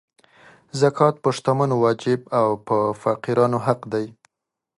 زکات په شتمنو واجب او په فقیرانو حق دی.